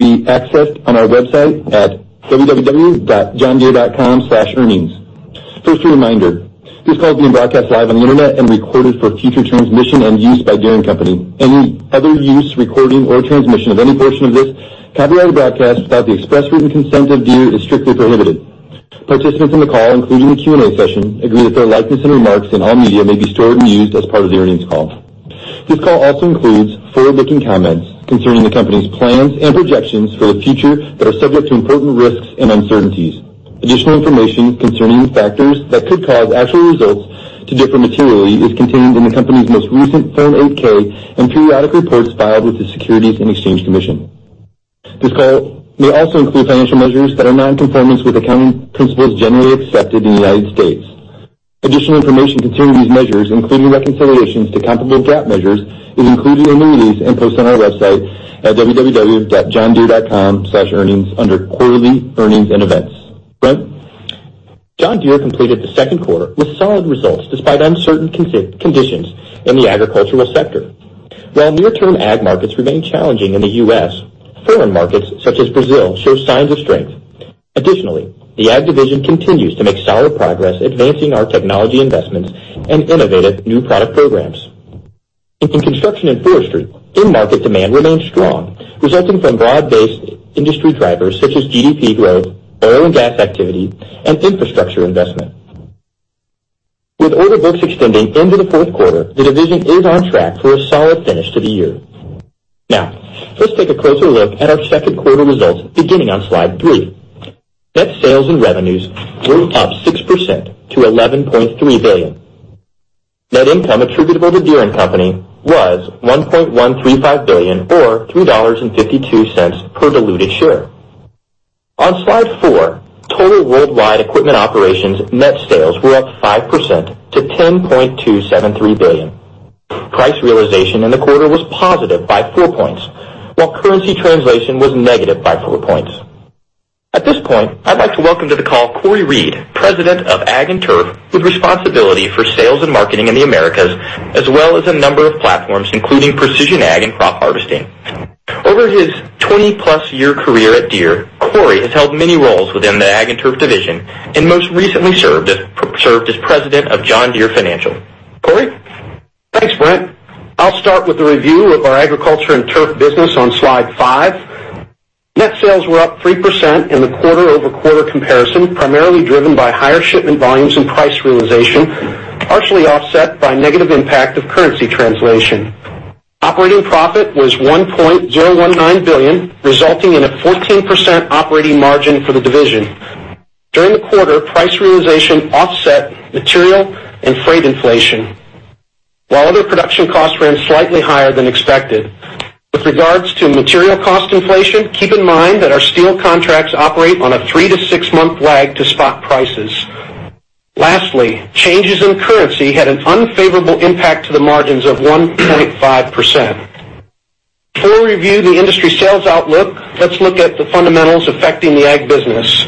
Be accessed on our website at www.deere.com/earnings. First, a reminder, this call is being broadcast live on the internet and recorded for future transmission and use by Deere & Company. Any other use, recording, or transmission of any portion of this caveat or broadcast without the express written consent of Deere is strictly prohibited. Participants in the call, including the Q&A session, agree that their likeness and remarks in all media may be stored and used as part of the earnings call. This call also includes forward-looking comments concerning the company's plans and projections for the future that are subject to important risks and uncertainties. Additional information concerning these factors that could cause actual results to differ materially is contained in the company's most recent Form 8-K and periodic reports filed with the Securities and Exchange Commission. This call may also include financial measures that are non-conformance with accounting principles generally accepted in the U.S. Additional information concerning these measures, including reconciliations to comparable GAAP measures, is included in the release and posted on our website at www.johndeere.com/earnings under quarterly earnings and events. Brent? John Deere completed the second quarter with solid results despite uncertain conditions in the agricultural sector. While near-term ag markets remain challenging in the U.S., foreign markets such as Brazil show signs of strength. Additionally, the ag division continues to make solid progress advancing our technology investments and innovative new product programs. In Construction & Forestry, end market demand remains strong, resulting from broad-based industry drivers such as GDP growth, oil and gas activity, and infrastructure investment. With order books extending into the fourth quarter, the division is on track for a solid finish to the year. Let's take a closer look at our second quarter results beginning on slide three. Net sales and revenues were up 6% to $11.3 billion. Net income attributable to Deere & Company was $1.135 billion or $3.52 per diluted share. On slide four, total worldwide equipment operations net sales were up 5% to $10.273 billion. Price realization in the quarter was positive by four points, while currency translation was negative by four points. At this point, I'd like to welcome to the call Cory Reed, President of Ag and Turf, with responsibility for sales and marketing in the Americas, as well as a number of platforms, including precision ag and crop harvesting. Over his 20-plus year career at Deere, Cory has held many roles within the Ag and Turf division and most recently served as President of John Deere Financial. Cory? Thanks, Brent. I'll start with the review of our Ag and Turf business on slide five. Net sales were up 3% in the quarter-over-quarter comparison, primarily driven by higher shipment volumes and price realization, partially offset by negative impact of currency translation. Operating profit was $1.019 billion, resulting in a 14% operating margin for the division. During the quarter, price realization offset material and freight inflation, while other production costs ran slightly higher than expected. With regards to material cost inflation, keep in mind that our steel contracts operate on a three to six-month lag to spot prices. Lastly, changes in currency had an unfavorable impact to the margins of 1.5%. To review the industry sales outlook, let's look at the fundamentals affecting the ag business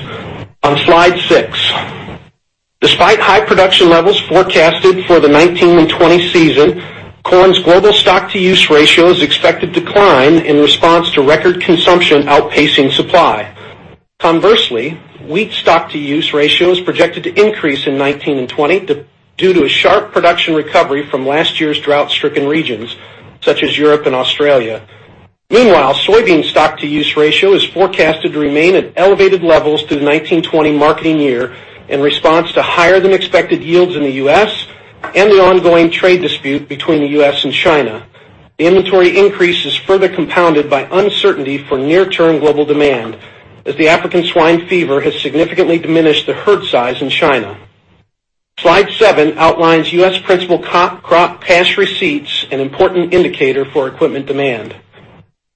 on slide six. Despite high production levels forecasted for the 2019 and 2020 season, corn's global stock-to-use ratio is expected to decline in response to record consumption outpacing supply. Conversely, wheat stock-to-use ratio is projected to increase in 2019 and 2020 due to a sharp production recovery from last year's drought-stricken regions, such as Europe and Australia. Meanwhile, soybean stock-to-use ratio is forecasted to remain at elevated levels through the 2019-2020 marketing year in response to higher than expected yields in the U.S. and the ongoing trade dispute between the U.S. and China. The inventory increase is further compounded by uncertainty for near-term global demand, as the African swine fever has significantly diminished the herd size in China. Slide seven outlines U.S. principal crop cash receipts, an important indicator for equipment demand.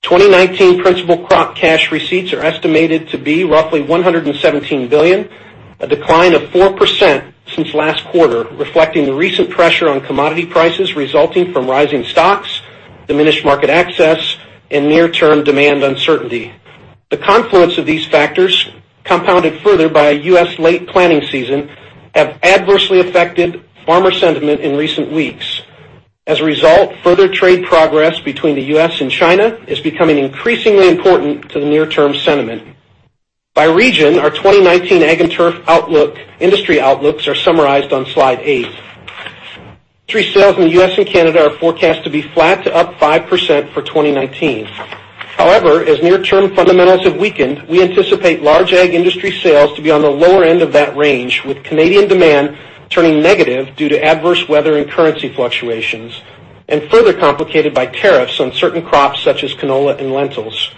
2019 principal crop cash receipts are estimated to be roughly $117 billion, a decline of 4% since last quarter, reflecting the recent pressure on commodity prices resulting from rising stocks, diminished market access, and near-term demand uncertainty. The confluence of these factors, compounded further by a U.S. late planting season, have adversely affected farmer sentiment in recent weeks. As a result, further trade progress between the U.S. and China is becoming increasingly important to the near-term sentiment. By region, our 2019 Ag and Turf industry outlooks are summarized on slide eight. Industry sales in the U.S. and Canada are forecast to be flat to up 5% for 2019. However, as near-term fundamentals have weakened, we anticipate large Ag industry sales to be on the lower end of that range, with Canadian demand turning negative due to adverse weather and currency fluctuations, and further complicated by tariffs on certain crops such as canola and lentils.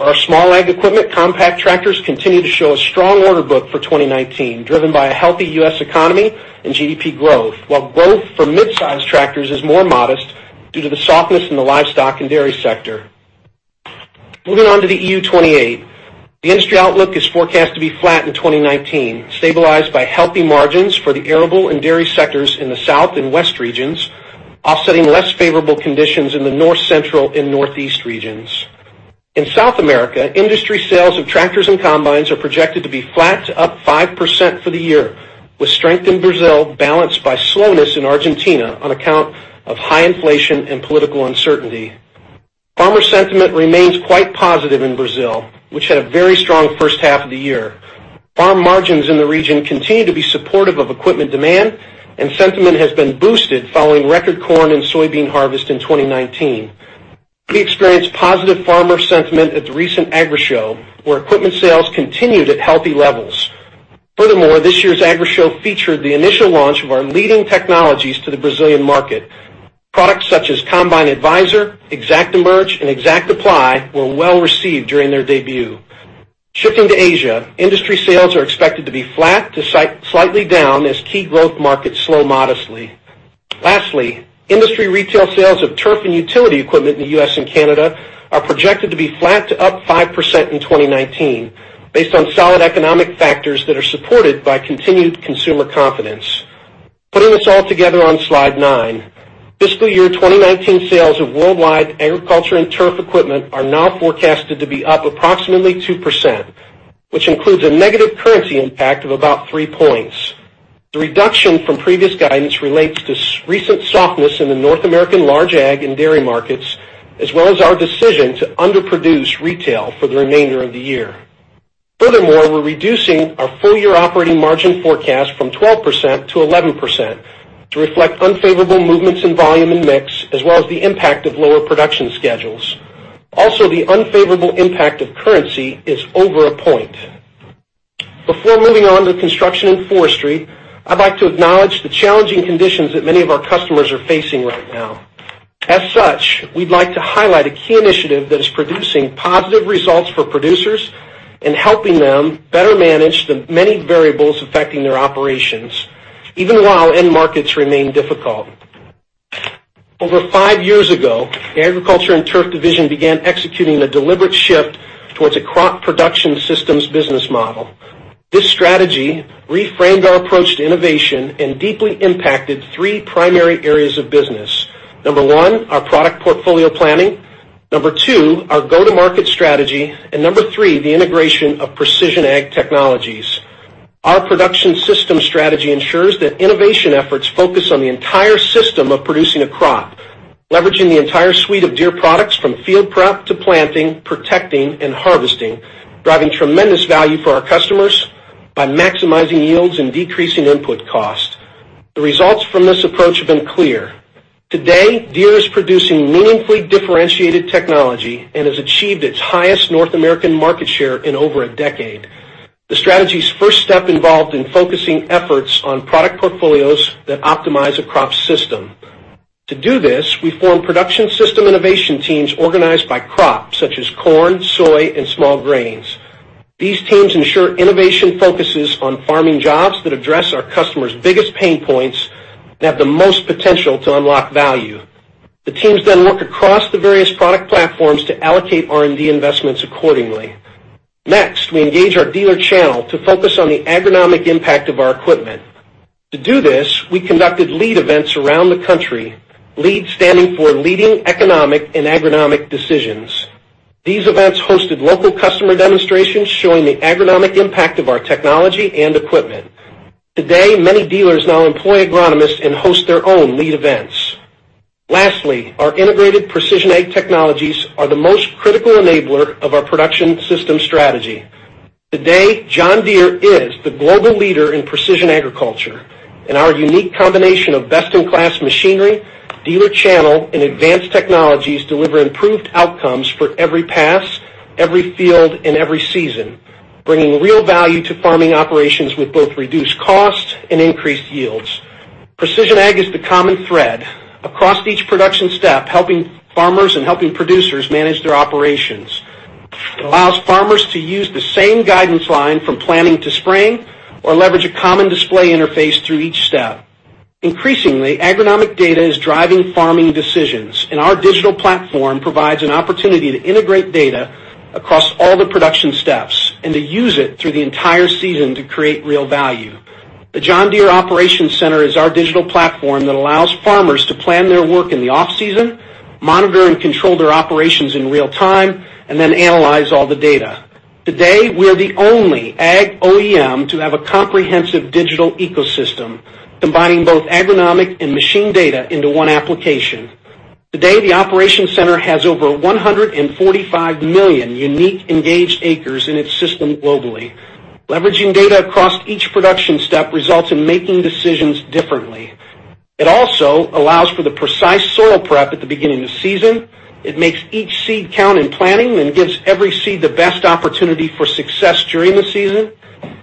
Our small Ag equipment compact tractors continue to show a strong order book for 2019, driven by a healthy U.S. economy and GDP growth, while growth for mid-size tractors is more modest due to the softness in the livestock and dairy sector. Moving on to the EU 28, the industry outlook is forecast to be flat in 2019, stabilized by healthy margins for the arable and dairy sectors in the south and west regions, offsetting less favorable conditions in the north, central, and northeast regions. In South America, industry sales of tractors and combines are projected to be flat to up 5% for the year. With strength in Brazil balanced by slowness in Argentina on account of high inflation and political uncertainty. Farmer sentiment remains quite positive in Brazil, which had a very strong first half of the year. Farm margins in the region continue to be supportive of equipment demand, and sentiment has been boosted following record corn and soybean harvest in 2019. We experienced positive farmer sentiment at the recent Agrishow, where equipment sales continued at healthy levels. Furthermore, this year's Agrishow featured the initial launch of our leading technologies to the Brazilian market. Products such as Combine Advisor, ExactEmerge, and ExactApply were well-received during their debut. Shifting to Asia, industry sales are expected to be flat to slightly down as key growth markets slow modestly. Lastly, industry retail sales of turf and utility equipment in the U.S. and Canada are projected to be flat to up 5% in 2019, based on solid economic factors that are supported by continued consumer confidence. Putting this all together on slide nine, fiscal year 2019 sales of worldwide Agriculture and Turf equipment are now forecasted to be up approximately 2%, which includes a negative currency impact of about 3 points. The reduction from previous guidance relates to recent softness in the North American large ag and dairy markets, as well as our decision to underproduce retail for the remainder of the year. We're reducing our full-year operating margin forecast from 12%-11% to reflect unfavorable movements in volume and mix, as well as the impact of lower production schedules. The unfavorable impact of currency is over 1 point. Before moving on to Construction & Forestry, I'd like to acknowledge the challenging conditions that many of our customers are facing right now. As such, we'd like to highlight a key initiative that is producing positive results for producers and helping them better manage the many variables affecting their operations, even while end markets remain difficult. Over 5 years ago, the Agriculture and Turf division began executing a deliberate shift towards a crop production systems business model. This strategy reframed our approach to innovation and deeply impacted 3 primary areas of business. Number one, our product portfolio planning. Number two, our go-to-market strategy. Number three, the integration of precision ag technologies. Our production system strategy ensures that innovation efforts focus on the entire system of producing a crop, leveraging the entire suite of Deere products from field prep to planting, protecting, and harvesting, driving tremendous value for our customers by maximizing yields and decreasing input cost. The results from this approach have been clear. Today, Deere is producing meaningfully differentiated technology and has achieved its highest North American market share in over a decade. The strategy's first step involved in focusing efforts on product portfolios that optimize a crop system. To do this, we formed production system innovation teams organized by crop, such as corn, soy, and small grains. These teams ensure innovation focuses on farming jobs that address our customers' biggest pain points and have the most potential to unlock value. The teams then work across the various product platforms to allocate R&D investments accordingly. We engage our dealer channel to focus on the agronomic impact of our equipment. To do this, we conducted LEAD events around the country, LEAD standing for Leading Economic and Agronomic Decisions. These events hosted local customer demonstrations showing the agronomic impact of our technology and equipment. Today, many dealers now employ agronomists and host their own LEAD events. Our integrated precision ag technologies are the most critical enabler of our production system strategy. Today, John Deere is the global leader in Precision Agriculture, and our unique combination of best-in-class machinery, dealer channel, and advanced technologies deliver improved outcomes for every pass, every field, and every season, bringing real value to farming operations with both reduced cost and increased yields. Precision ag is the common thread across each production step, helping farmers and producers manage their operations. It allows farmers to use the same guidance line from planting to spraying or leverage a common display interface through each step. Increasingly, agronomic data is driving farming decisions, and our digital platform provides an opportunity to integrate data across all the production steps and to use it through the entire season to create real value. The John Deere Operations Center is our digital platform that allows farmers to plan their work in the off-season, monitor and control their operations in real time, and then analyze all the data. Today, we're the only ag OEM to have a comprehensive digital ecosystem combining both agronomic and machine data into one application. Today, the Operations Center has over 145 million unique engaged acres in its system globally. Leveraging data across each production step results in making decisions differently. It also allows for the precise soil prep at the beginning of the season. It makes each seed count in planting and gives every seed the best opportunity for success during the season.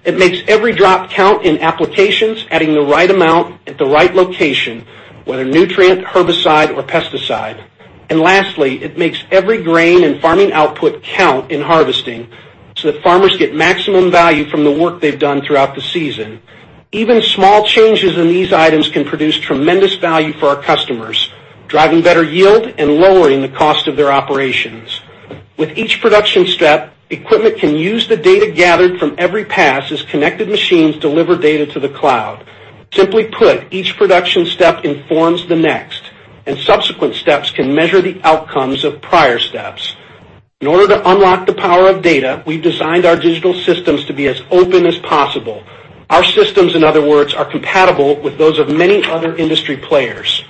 It makes every drop count in applications, adding the right amount at the right location, whether nutrient, herbicide, or pesticide. Lastly, it makes every grain and farming output count in harvesting so that farmers get maximum value from the work they've done throughout the season. Even small changes in these items can produce tremendous value for our customers, driving better yield and lowering the cost of their operations. With each production step, equipment can use the data gathered from every pass as connected machines deliver data to the cloud. Simply put, each production step informs the next, and subsequent steps can measure the outcomes of prior steps. In order to unlock the power of data, we've designed our digital systems to be as open as possible. Our systems, in other words, are compatible with those of many other industry players.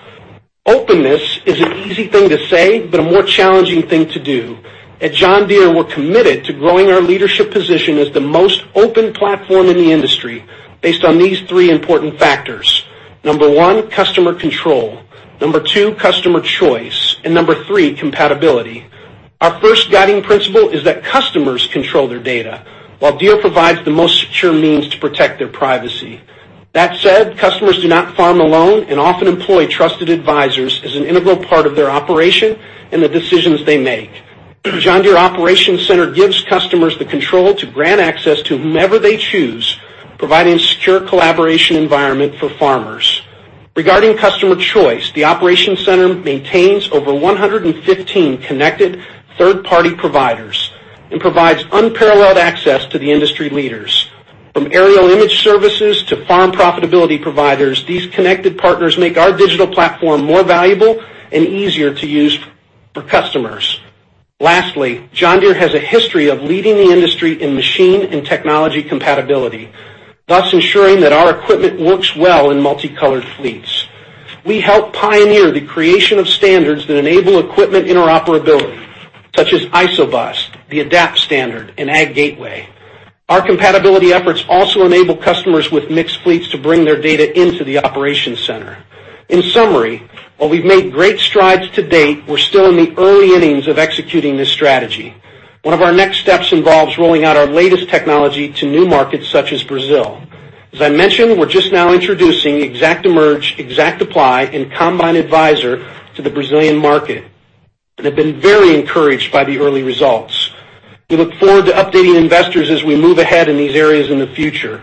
Openness is an easy thing to say, but a more challenging thing to do. At John Deere, we're committed to growing our leadership position as the most open platform in the industry based on these three important factors. Number 1, customer control. Number 2, customer choice. Number 3, compatibility. Our first guiding principle is that customers control their data, while Deere provides the most secure means to protect their privacy. That said, customers do not farm alone and often employ trusted advisors as an integral part of their operation and the decisions they make. John Deere Operations Center gives customers the control to grant access to whomever they choose, providing secure collaboration environment for farmers. Regarding customer choice, the Operations Center maintains over 115 connected third-party providers and provides unparalleled access to the industry leaders. From aerial image services to farm profitability providers, these connected partners make our digital platform more valuable and easier to use for customers. Lastly, John Deere has a history of leading the industry in machine and technology compatibility, thus ensuring that our equipment works well in multicolored fleets. We help pioneer the creation of standards that enable equipment interoperability such as ISOBUS, the ADAPT standard, and AgGateway. Our compatibility efforts also enable customers with mixed fleets to bring their data into the Operations Center. In summary, while we've made great strides to date, we're still in the early innings of executing this strategy. One of our next steps involves rolling out our latest technology to new markets such as Brazil. As I mentioned, we're just now introducing ExactEmerge, ExactApply, and Combine Advisor to the Brazilian market and have been very encouraged by the early results. We look forward to updating investors as we move ahead in these areas in the future.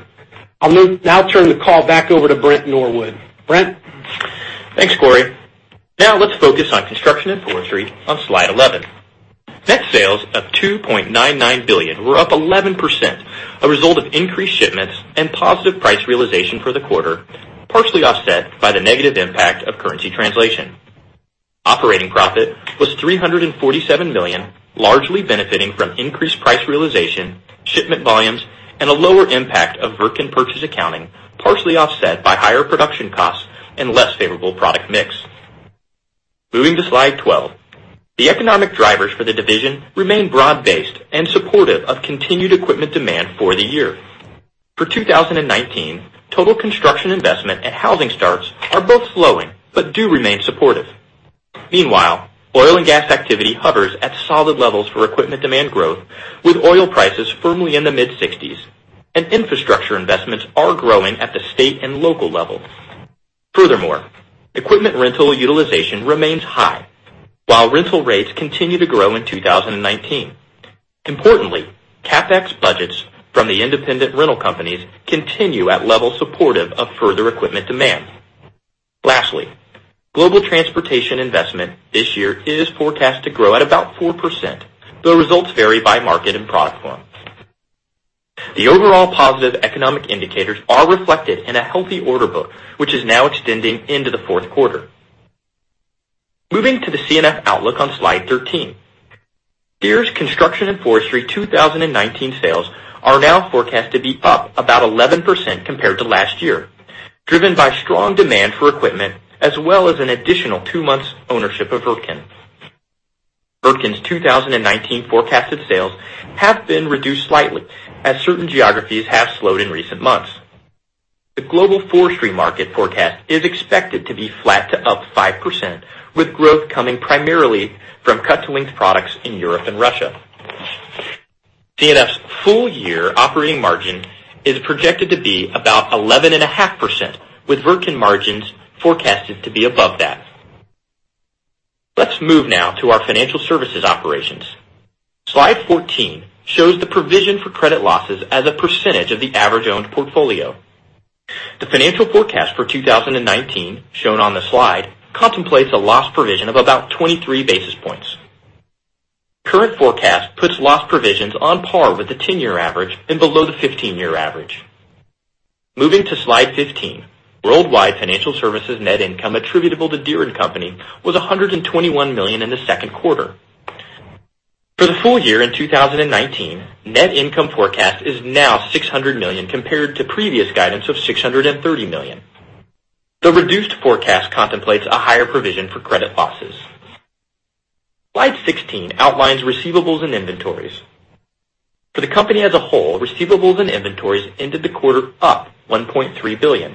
I'll now turn the call back over to Brent Norwood. Brent? Thanks, Cory. Let's focus on Construction and Forestry on slide 11. Net sales of $2.99 billion were up 11%, a result of increased shipments and positive price realization for the quarter, partially offset by the negative impact of currency translation. Operating profit was $347 million, largely benefiting from increased price realization, shipment volumes, and a lower impact of Wirtgen purchase accounting, partially offset by higher production costs and less favorable product mix. Moving to slide 12. The economic drivers for the division remain broad-based and supportive of continued equipment demand for the year. For 2019, total construction investment and housing starts are both slowing but do remain supportive. Meanwhile, oil and gas activity hovers at solid levels for equipment demand growth, with oil prices firmly in the mid-60s, and infrastructure investments are growing at the state and local level. Furthermore, equipment rental utilization remains high, while rental rates continue to grow in 2019. Importantly, CapEx budgets from the independent rental companies continue at levels supportive of further equipment demand. Lastly, global transportation investment this year is forecast to grow at about 4%, though results vary by market and product form. The overall positive economic indicators are reflected in a healthy order book, which is now extending into the fourth quarter. Moving to the C&F outlook on Slide 13. Deere's Construction and Forestry 2019 sales are now forecast to be up about 11% compared to last year, driven by strong demand for equipment as well as an additional two months ownership of Wirtgen. Wirtgen's 2019 forecasted sales have been reduced slightly as certain geographies have slowed in recent months. The global forestry market forecast is expected to be flat to up 5%, with growth coming primarily from cut-to-length products in Europe and Russia. C&F's full year operating margin is projected to be about 11.5%, with Wirtgen margins forecasted to be above that. Let's move to our financial services operations. Slide 14 shows the provision for credit losses as a percentage of the average owned portfolio. The financial forecast for 2019, shown on the slide, contemplates a loss provision of about 23 basis points. Current forecast puts loss provisions on par with the 10-year average and below the 15-year average. Moving to slide 15. Worldwide financial services net income attributable to Deere & Company was $121 million in the second quarter. For the full year in 2019, net income forecast is now $600 million compared to previous guidance of $630 million. The reduced forecast contemplates a higher provision for credit losses. Slide 16 outlines receivables and inventories. For the company as a whole, receivables and inventories ended the quarter up $1.3 billion.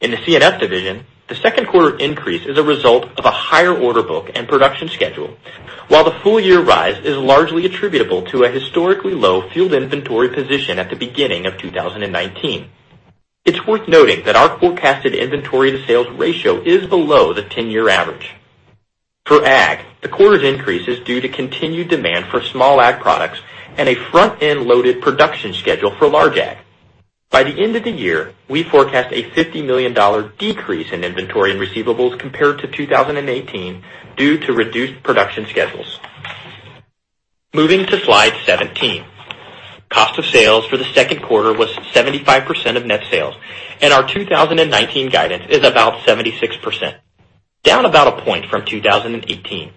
In the C&F division, the second quarter increase is a result of a higher order book and production schedule, while the full-year rise is largely attributable to a historically low field inventory position at the beginning of 2019. It's worth noting that our forecasted inventory to sales ratio is below the 10-year average. For Ag, the quarter's increase is due to continued demand for small Ag products and a front-end loaded production schedule for large Ag. By the end of the year, we forecast a $50 million decrease in inventory and receivables compared to 2018 due to reduced production schedules. Moving to slide 17. Cost of sales for the second quarter was 75% of net sales, and our 2019 guidance is about 76%, down about a point from 2018.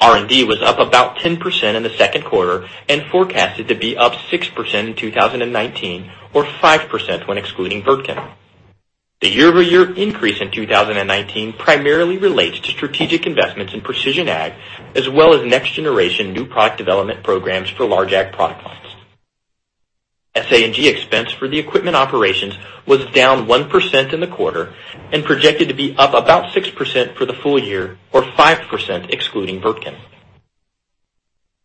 R&D was up about 10% in the second quarter and forecasted to be up 6% in 2019 or 5% when excluding Wirtgen. The year-over-year increase in 2019 primarily relates to strategic investments in precision ag, as well as next-generation new product development programs for large ag product lines. SA&G expense for the equipment operations was down 1% in the quarter and projected to be up about 6% for the full year of 5% excluding Wirtgen.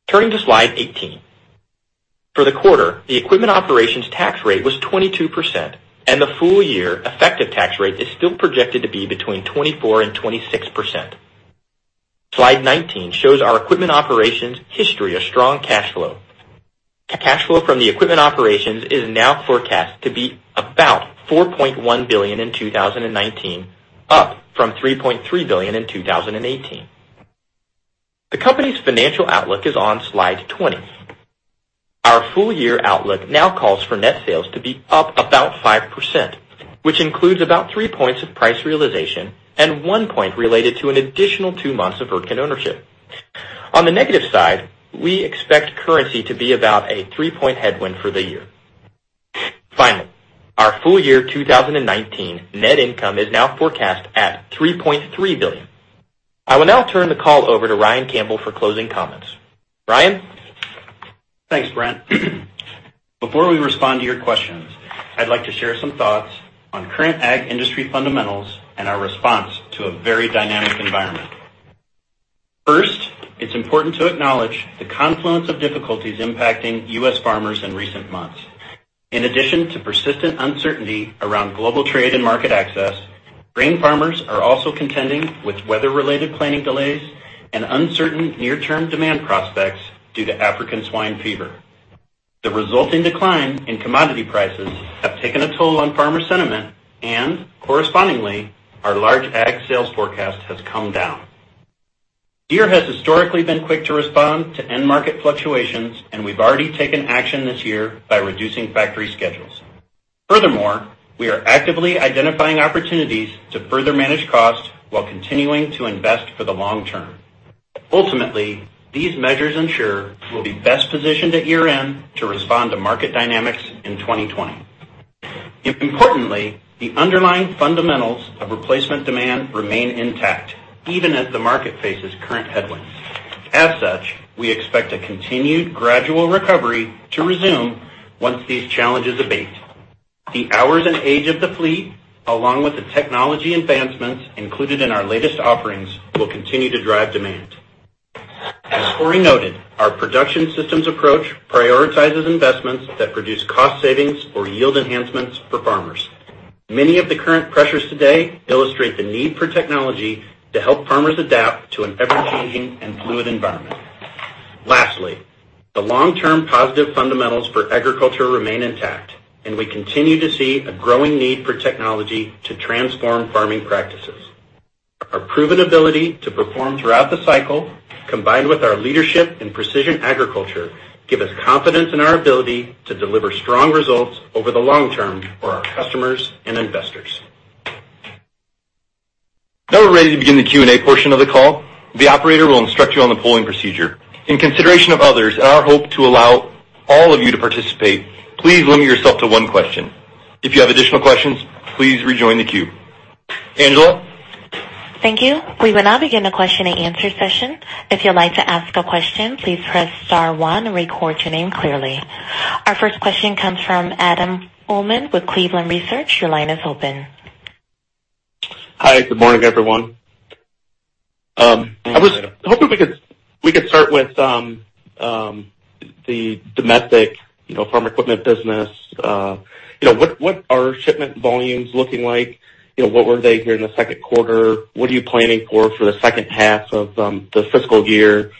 Turning to slide 18. For the quarter, the equipment operations tax rate was 22%, and the full-year effective tax rate is still projected to be between 24% and 26%. Slide 19 shows our equipment operations' history of strong cash flow. Cash flow from the equipment operations is now forecast to be about $4.1 billion in 2019, up from $3.3 billion in 2018. The company's financial outlook is on slide 20. Our full-year outlook now calls for net sales to be up about 5%, which includes about three points of price realization and one point related to an additional two months of Wirtgen ownership. On the negative side, we expect currency to be about a three-point headwind for the year. Finally, our full-year 2019 net income is now forecast at $3.3 billion. I will now turn the call over to Ryan Campbell for closing comments. Ryan? Thanks, Brent. Before we respond to your questions, I'd like to share some thoughts on current ag industry fundamentals and our response to a very dynamic environment. First, it's important to acknowledge the confluence of difficulties impacting U.S. farmers in recent months. In addition to persistent uncertainty around global trade and market access, grain farmers are also contending with weather-related planting delays and uncertain near-term demand prospects due to African swine fever. The resulting decline in commodity prices have taken a toll on farmer sentiment, and correspondingly, our large ag sales forecast has come down. Deere has historically been quick to respond to end market fluctuations, and we've already taken action this year by reducing factory schedules. Furthermore, we are actively identifying opportunities to further manage costs while continuing to invest for the long term. Ultimately, these measures ensure we'll be best positioned at year-end to respond to market dynamics in 2020. Importantly, the underlying fundamentals of replacement demand remain intact even as the market faces current headwinds. As such, we expect a continued gradual recovery to resume once these challenges abate. The hours and age of the fleet, along with the technology advancements included in our latest offerings, will continue to drive demand. As Cory noted, our production systems approach prioritizes investments that produce cost savings or yield enhancements for farmers. Many of the current pressures today illustrate the need for technology to help farmers adapt to an ever-changing and fluid environment. Lastly, the long-term positive fundamentals for agriculture remain intact, and we continue to see a growing need for technology to transform farming practices. Our proven ability to perform throughout the cycle, combined with our leadership in precision agriculture, give us confidence in our ability to deliver strong results over the long term for our customers and investors. Now we're ready to begin the Q&A portion of the call. The operator will instruct you on the polling procedure. In consideration of others and our hope to allow all of you to participate, please limit yourself to one question. If you have additional questions, please rejoin the queue. Angela? Thank you. We will now begin the question and answer session. If you'd like to ask a question, please press star one and record your name clearly. Our first question comes from Adam Uhlman with Cleveland Research. Your line is open. Hi. Good morning, everyone. Good morning, Adam. I was hoping we could start with the domestic farm equipment business. What are shipment volumes looking like? What were they here in the second quarter? What are you planning for the second half of the fiscal year?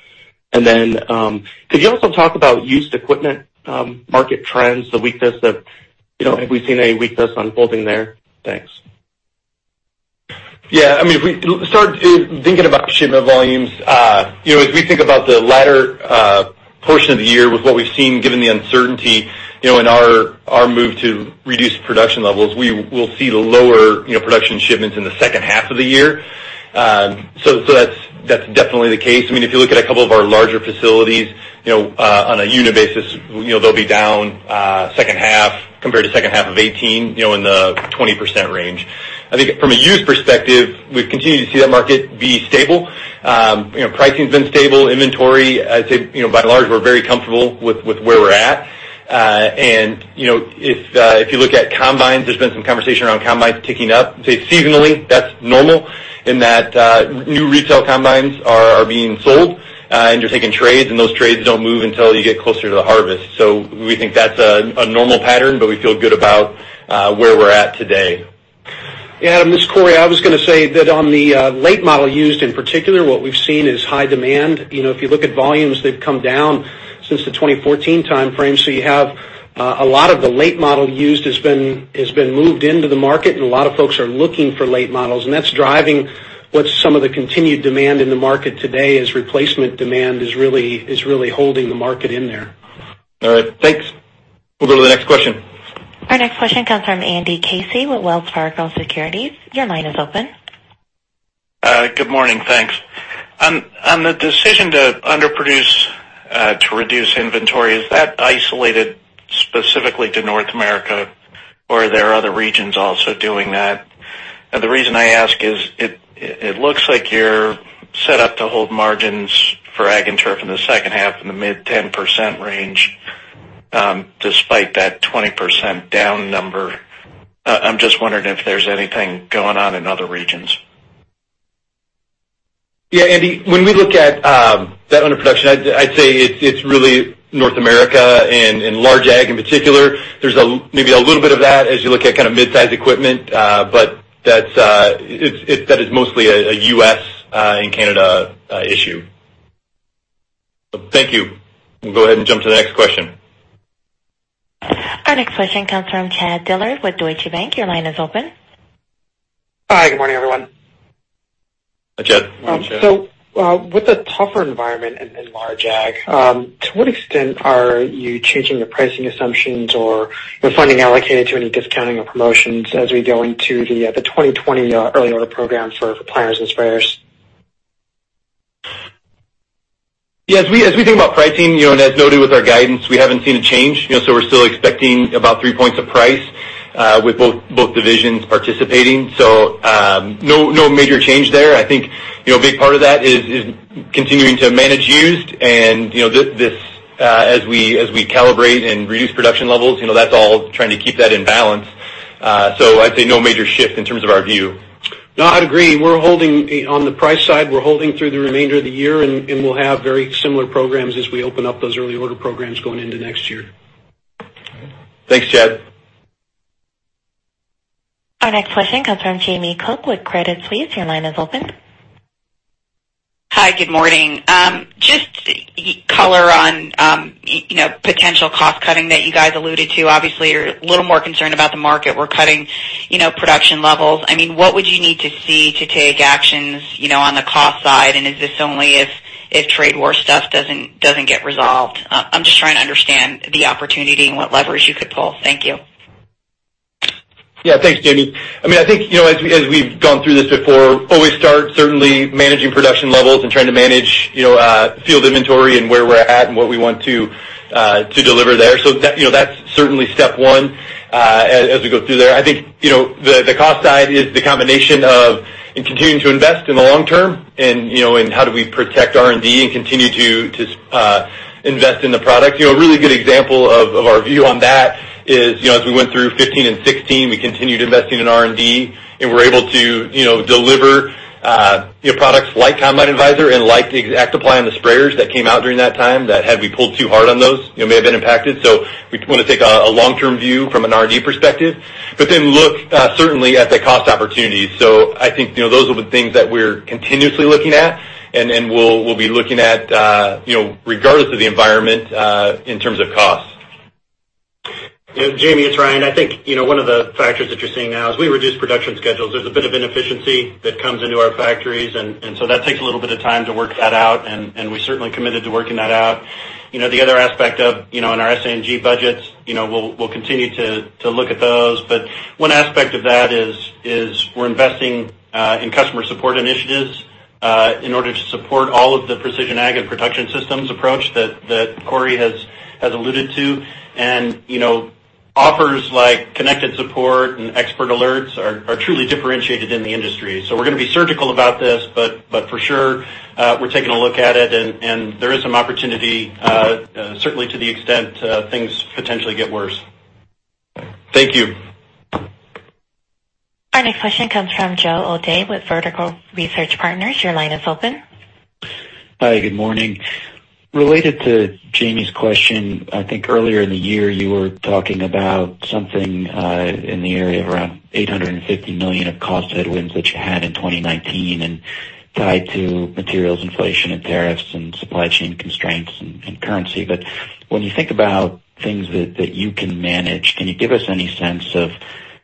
Could you also talk about used equipment, market trends? Have we seen any weakness unfolding there? Thanks. Yeah. Starting thinking about shipment volumes, as we think about the latter portion of the year with what we've seen, given the uncertainty, in our move to reduce production levels, we will see lower production shipments in the second half of the year. That's definitely the case. If you look at a couple of our larger facilities, on a unit basis, they'll be down second half compared to second half of 2018, in the 20% range. I think from a used perspective, we've continued to see that market be stable. Pricing's been stable. Inventory, I'd say, by and large, we're very comfortable with where we're at. If you look at combines, there's been some conversation around combines ticking up. I'd say seasonally, that's normal in that new retail combines are being sold, and you're taking trades, and those trades don't move until you get closer to the harvest. We think that is a normal pattern, but we feel good about where we are at today. Yeah, Adam, this is Cory. I was going to say that on the late-model used, in particular, what we have seen is high demand. If you look at volumes, they have come down since the 2014 timeframe, so you have a lot of the late model used has been moved into the market, and a lot of folks are looking for late models, and that is driving what some of the continued demand in the market today is. Replacement demand is really holding the market in there. All right. Thanks. We will go to the next question. Our next question comes from Andrew Casey with Wells Fargo Securities. Your line is open. Good morning. Thanks. On the decision to underproduce to reduce inventory, is that isolated specifically to North America, or are there other regions also doing that? The reason I ask is it looks like you're set up to hold margins for Ag and Turf in the second half in the mid-10% range, despite that 20% down number. I'm just wondering if there's anything going on in other regions. Yeah, Andy, when we look at that underproduction, I'd say it's really North America and large Ag in particular. There's maybe a little bit of that as you look at mid-size equipment. That is mostly a U.S. and Canada issue. Thank you. We'll go ahead and jump to the next question. Our next question comes from Chad Dillard with Deutsche Bank. Your line is open. Hi. Good morning, everyone. Hi, Chad. Morning, Chad. With the tougher environment in large ag, to what extent are you changing your pricing assumptions or the funding allocated to any discounting or promotions as we go into the 2020 early order program for planters and sprayers? As we think about pricing, as noted with our guidance, we haven't seen a change. We're still expecting about three points of price with both divisions participating. No major change there. I think a big part of that is continuing to manage used and as we calibrate and reduce production levels, that's all trying to keep that in balance. I'd say no major shift in terms of our view. I'd agree. On the price side, we're holding through the remainder of the year, and we'll have very similar programs as we open up those early order programs going into next year. Thanks, Chad. Our next question comes from Jamie Cook with Credit Suisse. Your line is open. Hi. Good morning. Just color on potential cost cutting that you guys alluded to. Obviously, you're a little more concerned about the market. We're cutting production levels. What would you need to see to take actions on the cost side, and is this only if trade war stuff doesn't get resolved? I'm just trying to understand the opportunity and what leverage you could pull. Thank you. Yeah. Thanks, Jamie. I think as we've gone through this before, always start certainly managing production levels and trying to manage field inventory and where we're at and what we want to deliver there. That's certainly step one as we go through there. I think the cost side is the combination of continuing to invest in the long term and how do we protect R&D and continue to invest in the product. A really good example of our view on that is as we went through 2015 and 2016, we continued investing in R&D, and we were able to deliver products like Combine Advisor and like the ExactApply on the sprayers that came out during that time. Had we pulled too hard on those, it may have been impacted. We want to take a long-term view from an R&D perspective, but then look certainly at the cost opportunities. I think those are the things that we're continuously looking at and we'll be looking at regardless of the environment in terms of cost. Jamie, it's Ryan. I think one of the factors that you're seeing now is we reduced production schedules. There's a bit of inefficiency that comes into our factories, that takes a little bit of time to work that out, and we're certainly committed to working that out. The other aspect of in our S&G budgets, we'll continue to look at those. One aspect of that is we're investing in customer support initiatives in order to support all of the precision ag and production systems approach that Cory has alluded to. Offers like Connected Support and Expert Alerts are truly differentiated in the industry. We're going to be surgical about this, but for sure, we're taking a look at it and there is some opportunity, certainly to the extent things potentially get worse. Thank you. Our next question comes from Joe O'Dea with Vertical Research Partners. Your line is open. Hi, good morning. Related to Jamie's question, I think earlier in the year, you were talking about something in the area of around $850 million of cost headwinds that you had in 2019 and tied to materials inflation and tariffs and supply chain constraints and currency. When you think about things that you can manage, can you give us any sense of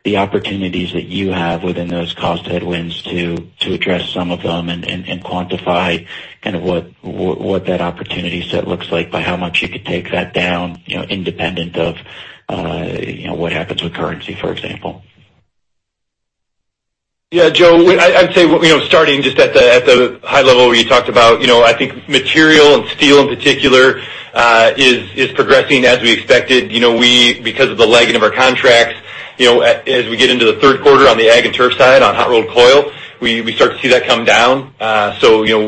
the opportunities that you have within those cost headwinds to address some of them and quantify what that opportunity set looks like? By how much you could take that down, independent of what happens with currency, for example? Yeah, Joe, I'd say starting just at the high level where you talked about, I think material and steel in particular is progressing as we expected. Because of the lagging of our contracts, as we get into the third quarter on the Ag and Turf side on hot-rolled coil, we start to see that come down.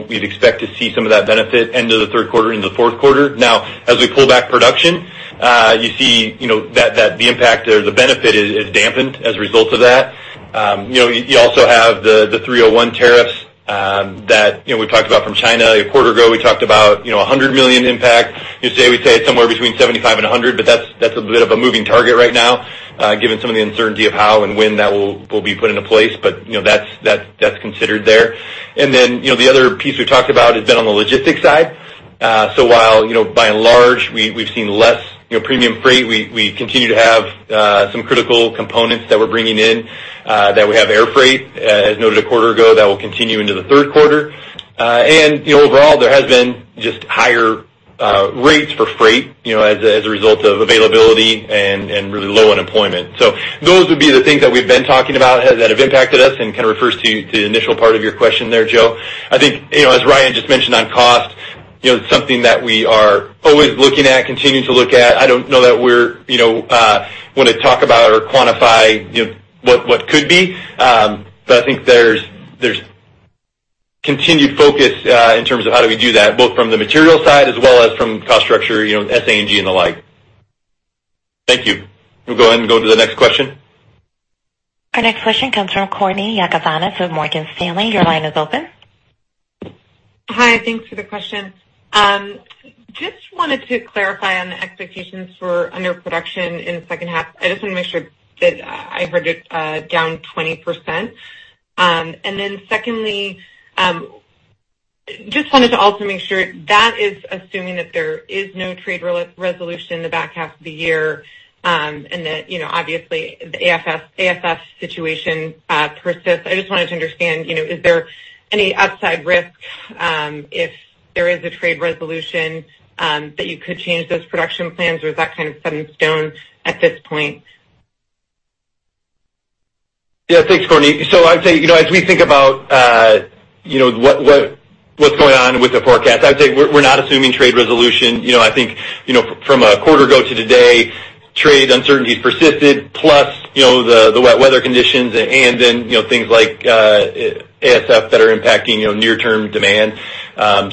We'd expect to see some of that benefit end of the third quarter into the fourth quarter. Now, as we pull back production, you see that the impact or the benefit is dampened as a result of that. You also have the 301 tariffs that we talked about from China. A quarter ago, we talked about $100 million impact. Today we'd say it's somewhere between $75 million and $100 million, but that's a bit of a moving target right now. Given some of the uncertainty of how and when that will be put into place. That's considered there. The other piece we talked about has been on the logistics side. While by and large we've seen less premium freight, we continue to have some critical components that we're bringing in that we have air freight, as noted a quarter ago, that will continue into the third quarter. Overall, there has been just higher rates for freight as a result of availability and really low unemployment. Those would be the things that we've been talking about that have impacted us and kind of refers to the initial part of your question there, Joe. I think, as Ryan just mentioned on cost, it's something that we are always looking at, continuing to look at. I don't know that we want to talk about or quantify what could be. I think there's continued focus in terms of how do we do that, both from the material side as well as from cost structure, SA&G and the like. Thank you. We'll go ahead and go to the next question. Our next question comes from Courtney Yakavonis with Morgan Stanley. Your line is open. Hi, thanks for the question. Just wanted to clarify on the expectations for underproduction in the second half. I just want to make sure that I heard it down 20%. Secondly, just wanted to also make sure that is assuming that there is no trade resolution in the back half of the year and that obviously the ASF situation persists. I just wanted to understand, is there any upside risk if there is a trade resolution that you could change those production plans, or is that kind of set in stone at this point? Yeah. Thanks, Courtney. I'd say, as we think about what's going on with the forecast, I'd say we're not assuming trade resolution. I think from a quarter ago to today, trade uncertainties persisted, plus the wet weather conditions and then things like ASF that are impacting near-term demand.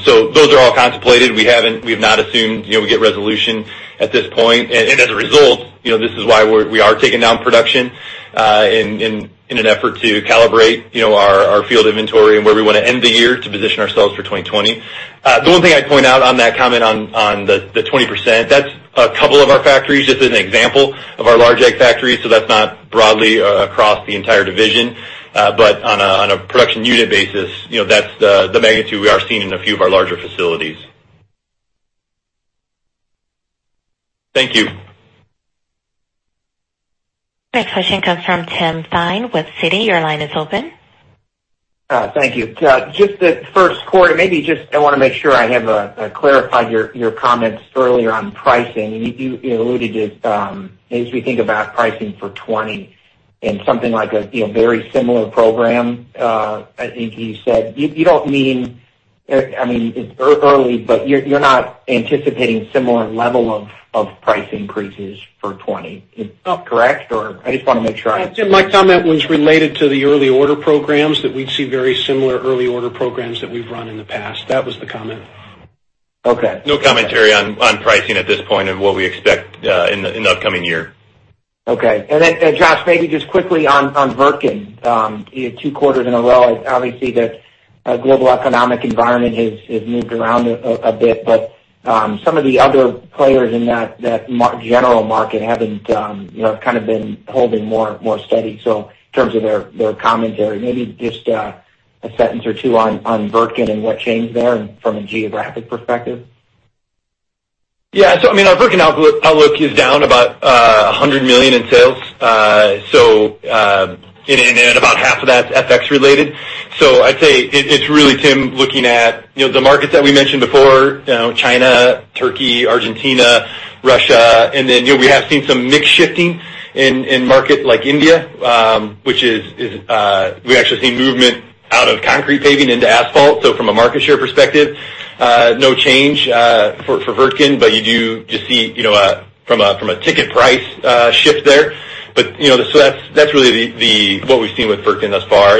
Those are all contemplated. We have not assumed we get resolution at this point. As a result, this is why we are taking down production in an effort to calibrate our field inventory and where we want to end the year to position ourselves for 2020. The one thing I'd point out on that comment on the 20%, that's a couple of our factories, just as an example of our large Ag factories. That's not broadly across the entire division. On a production unit basis, that's the magnitude we are seeing in a few of our larger facilities. Thank you. Next question comes from Tim Thein with Citi. Your line is open. Thank you. Just the first quarter, maybe just I want to make sure I have clarified your comments earlier on pricing. You alluded as we think about pricing for 2020 in something like a very similar program, I think you said. You don't mean, I mean, it's early, but you're not anticipating similar level of price increases for 2020, is that correct? Or I just want to make sure I- Tim, my comment was related to the early order programs that we'd see very similar early order programs that we've run in the past. That was the comment. Okay. No commentary on pricing at this point and what we expect in the upcoming year. Okay. Then Josh, maybe just quickly on Wirtgen. Two quarters in a row, obviously the global economic environment has moved around a bit, some of the other players in that general market have kind of been holding more steady. In terms of their commentary, maybe just a sentence or two on Wirtgen and what changed there from a geographic perspective. I mean, our Wirtgen outlook is down about $100 million in sales. About half of that's FX related. I'd say it's really, Tim, looking at the markets that we mentioned before, China, Turkey, Argentina, Russia, then we have seen some mix shifting in market like India. We actually see movement out of concrete paving into asphalt. From a market share perspective, no change for Wirtgen, you do just see from a ticket price shift there. That's really what we've seen with Wirtgen thus far.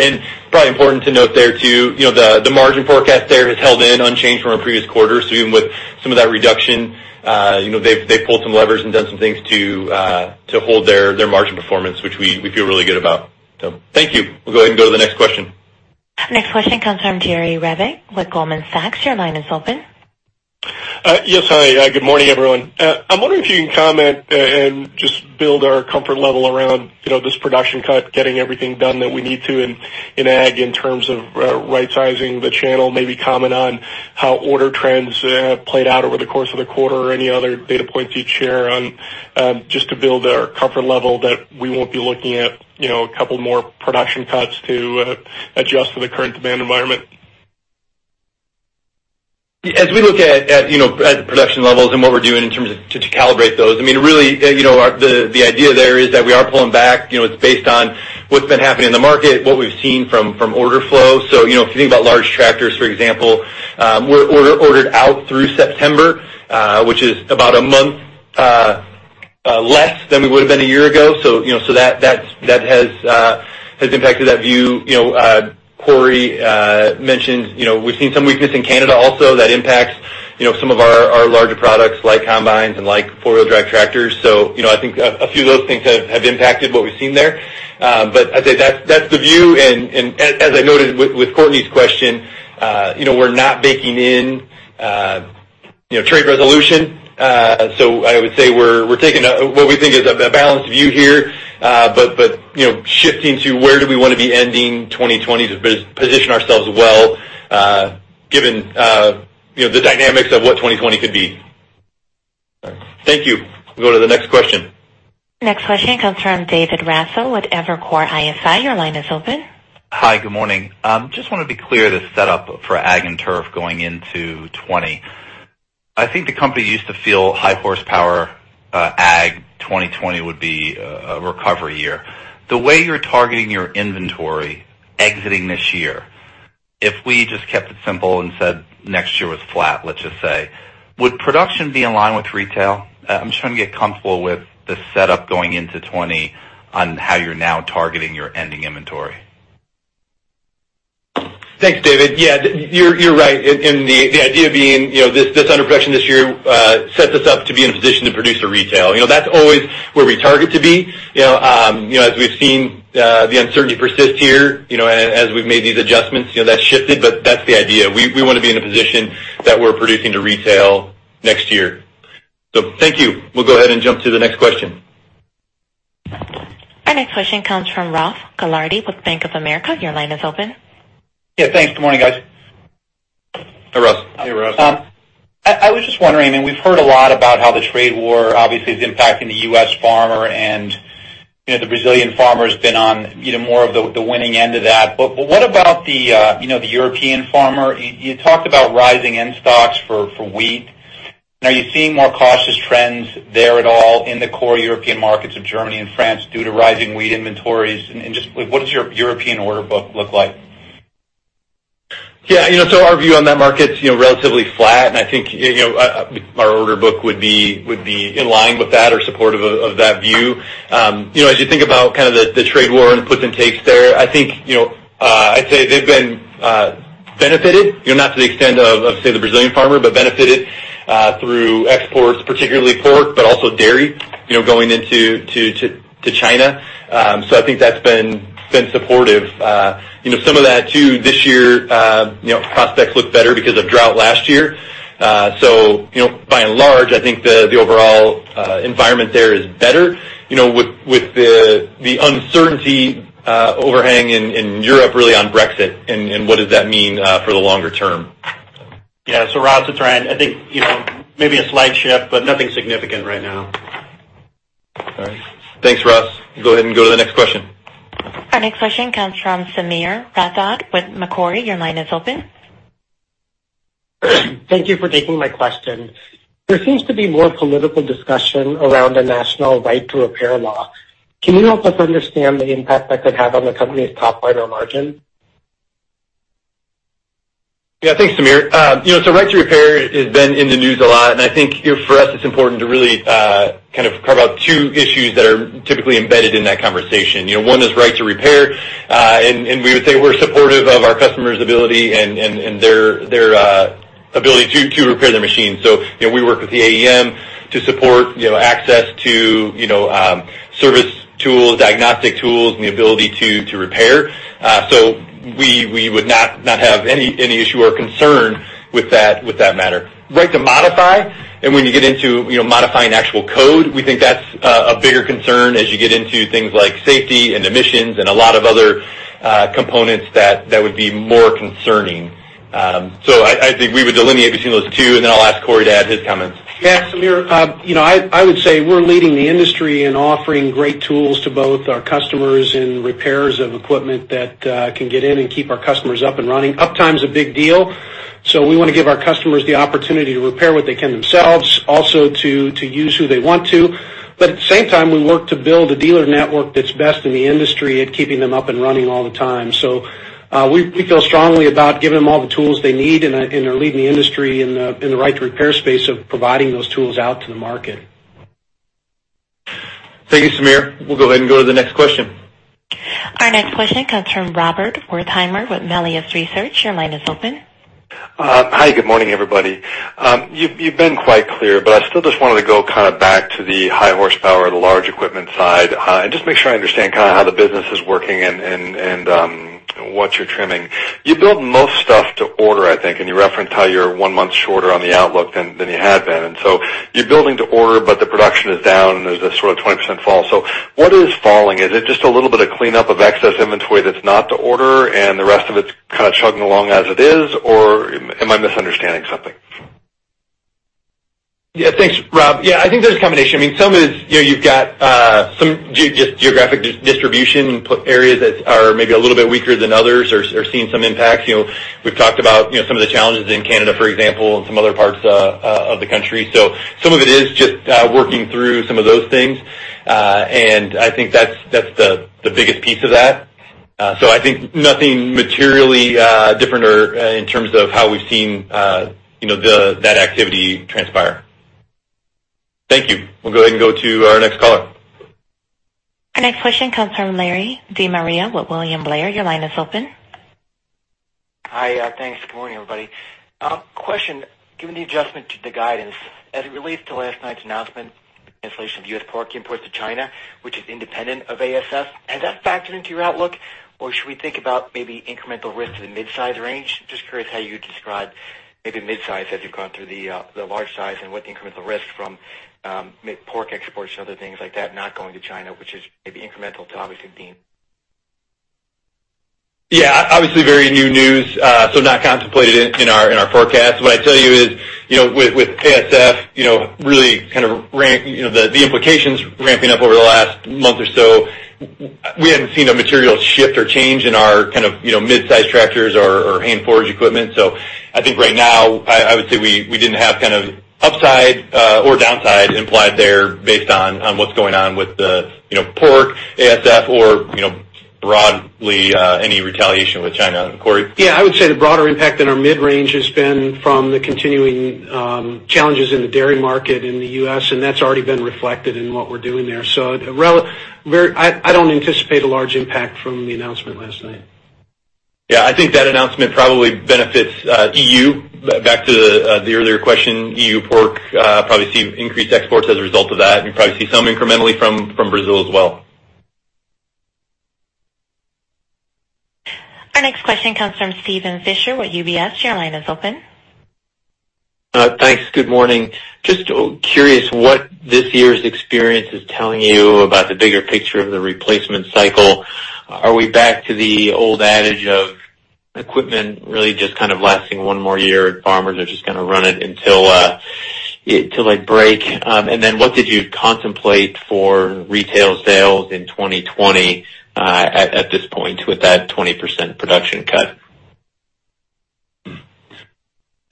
Probably important to note there, too, the margin forecast there has held in unchanged from our previous quarter. Even with some of that reduction they've pulled some levers and done some things to hold their margin performance, which we feel really good about. Thank you. We'll go ahead and go to the next question. Next question comes from Jerry Revich with Goldman Sachs. Your line is open. Yes. Hi, good morning, everyone. I'm wondering if you can comment and just build our comfort level around this production cut, getting everything done that we need to in ag in terms of rightsizing the channel. Maybe comment on how order trends have played out over the course of the quarter or any other data points you'd share on just to build our comfort level that we won't be looking at a couple more production cuts to adjust to the current demand environment. As we look at the production levels and what we're doing in terms of to calibrate those, I mean, really the idea there is that we are pulling back. It's based on what's been happening in the market, what we've seen from order flow. If you think about large tractors, for example, we're ordered out through September, which is about a month less than we would have been a year ago. That has impacted that view. Cory mentioned we've seen some weakness in Canada also that impacts some of our larger products like combines and like four-wheel drive tractors. I think a few of those things have impacted what we've seen there. I'd say that's the view, and as I noted with Courtney's question we're not baking in Trade resolution. I would say we're taking what we think is a balanced view here. Shifting to where do we want to be ending 2020 to position ourselves well given the dynamics of what 2020 could be. All right. Thank you. We'll go to the next question. Next question comes from David Raso with Evercore ISI. Your line is open. I just want to be clear the setup for ag and turf going into 2020. I think the company used to feel high horsepower ag 2020 would be a recovery year. The way you're targeting your inventory exiting this year, if we just kept it simple and said next year was flat, let's just say, would production be in line with retail? I'm just trying to get comfortable with the setup going into 2020 on how you're now targeting your ending inventory. Thanks, David. Yeah, you're right. The idea being, this underproduction this year sets us up to be in a position to produce a retail. That's always where we target to be. As we've seen the uncertainty persist here, as we've made these adjustments, that's shifted, but that's the idea. We want to be in a position that we're producing to retail next year. Thank you. We'll go ahead and jump to the next question. Our next question comes from Ross Gilardi with Bank of America. Your line is open. Yeah, thanks. Good morning, guys. Hey, Ross. Hey, Ross. I was just wondering, we've heard a lot about how the trade war obviously is impacting the U.S. farmer and the Brazilian farmer has been on more of the winning end of that. What about the European farmer? You talked about rising in stocks for wheat. Are you seeing more cautious trends there at all in the core European markets of Germany and France due to rising wheat inventories? Just what does your European order book look like? Yeah. Our view on that market's relatively flat, and I think our order book would be in line with that or supportive of that view. As you think about the trade war and the puts and takes there, I'd say they've been benefited, not to the extent of say the Brazilian farmer, benefited through exports, particularly pork, also dairy, going into China. I think that's been supportive. Some of that, too, this year prospects look better because of drought last year. By and large, I think the overall environment there is better. With the uncertainty overhang in Europe really on Brexit and what does that mean for the longer term. Yeah. Ross, it's Ryan. I think maybe a slight shift, nothing significant right now. All right. Thanks, Ross. Go ahead and go to the next question. Our next question comes from Sameer Rathod with Macquarie. Your line is open. Thank you for taking my question. There seems to be more political discussion around the National Right to Repair law. Can you help us understand the impact that could have on the company's top line or margin? Yeah, thanks, Sameer. Right to Repair has been in the news a lot. I think for us, it's important to really kind of carve out two issues that are typically embedded in that conversation. One is Right to Repair. We would say we're supportive of our customers' ability and their ability to repair their machines. We work with the AEM to support access to service tools, diagnostic tools, and the ability to repair. We would not have any issue or concern with that matter. Right to modify. When you get into modifying actual code, we think that's a bigger concern as you get into things like safety and emissions and a lot of other components that would be more concerning. I think we would delineate between those two. Then I'll ask Cory to add his comments. Samir. I would say we're leading the industry in offering great tools to both our customers and repairers of equipment that can get in and keep our customers up and running. Uptime's a big deal, so we want to give our customers the opportunity to repair what they can themselves, also to use who they want to. At the same time, we work to build a dealer network that's best in the industry at keeping them up and running all the time. We feel strongly about giving them all the tools they need and are leading the industry in the Right to Repair space of providing those tools out to the market. Thank you, Sameer. We'll go ahead and go to the next question. Our next question comes from Rob Wertheimer with Melius Research. Your line is open. Good morning, everybody. You've been quite clear, I still just wanted to go kind of back to the high horsepower, the large equipment side, and just make sure I understand kind of how the business is working and what you're trimming. You build most stuff to order, I think, and you referenced how you're one month shorter on the outlook than you had been. You're building to order, the production is down, and there's this sort of 20% fall. What is falling? Is it just a little bit of cleanup of excess inventory that's not to order, and the rest of it's kind of chugging along as it is? Am I misunderstanding something? Thanks, Rob. I think there's a combination. Some is you've got some just geographic distribution areas that are maybe a little bit weaker than others or seeing some impacts. We've talked about some of the challenges in Canada, for example, and some other parts of the country. Some of it is just working through some of those things. I think that's the biggest piece of that. I think nothing materially different or in terms of how we've seen that activity transpire. Thank you. We'll go ahead and go to our next caller. Our next question comes from Larry DeMaria with William Blair. Your line is open. Hi. Thanks. Good morning, everybody. Question, given the adjustment to the guidance as it relates to last night's announcement Translation of U.S. pork imports to China, which is independent of ASF. Has that factored into your outlook? Should we think about maybe incremental risk to the mid-size range? Just curious how you describe maybe mid-size as you've gone through the large size and what the incremental risk from pork exports and other things like that not going to China, which is maybe incremental to obviously Deere. Yeah. Obviously, very new news, so not contemplated in our forecast. What I'd tell you is with ASF, really the implications ramping up over the last month or so, we haven't seen a material shift or change in our mid-size tractors or hay and forage equipment. I think right now, I would say we didn't have upside or downside implied there based on what's going on with the pork, ASF or broadly, any retaliation with China. Cory? Yeah, I would say the broader impact in our mid-range has been from the continuing challenges in the dairy market in the U.S., and that's already been reflected in what we're doing there. I don't anticipate a large impact from the announcement last night. Yeah. I think that announcement probably benefits EU. Back to the earlier question, EU pork probably see increased exports as a result of that, and probably see some incrementally from Brazil as well. Our next question comes from Steven Fisher with UBS. Your line is open. Thanks. Good morning. Just curious what this year's experience is telling you about the bigger picture of the replacement cycle. Are we back to the old adage of equipment really just kind of lasting one more year, farmers are just going to run it until they break? What did you contemplate for retail sales in 2020 at this point with that 20% production cut?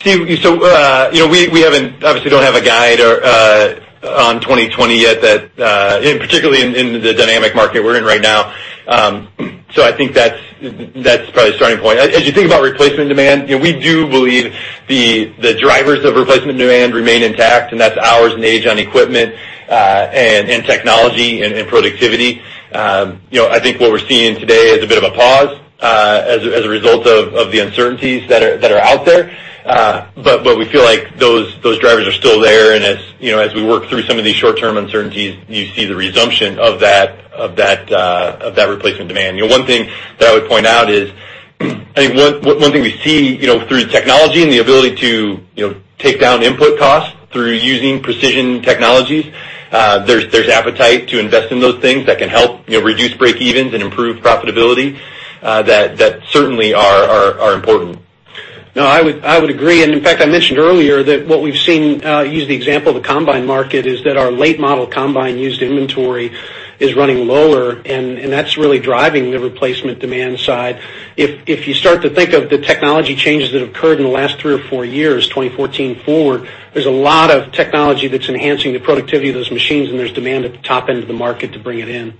Steve, we obviously don't have a guide on 2020 yet, particularly in the dynamic market we're in right now. I think that's probably a starting point. As you think about replacement demand, we do believe the drivers of replacement demand remain intact, and that's hours and age on equipment and technology and productivity. I think what we're seeing today is a bit of a pause as a result of the uncertainties that are out there. We feel like those drivers are still there and as we work through some of these short-term uncertainties, you see the resumption of that replacement demand. One thing that I would point out is, I think one thing we see through technology and the ability to take down input costs through using precision technologies, there's appetite to invest in those things that can help reduce break evens and improve profitability that certainly are important. No, I would agree, and in fact, I mentioned earlier that what we've seen, use the example of the combine market, is that our late model combine used inventory is running lower, and that's really driving the replacement demand side. If you start to think of the technology changes that occurred in the last three or four years, 2014 forward, there's a lot of technology that's enhancing the productivity of those machines and there's demand at the top end of the market to bring it in.